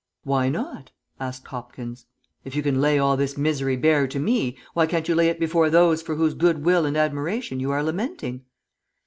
"Why not?" asked Hopkins. "If you can lay all this misery bare to me, why can't you lay it before those for whose good will and admiration you are lamenting?"